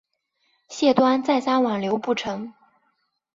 谢端再三挽留不成。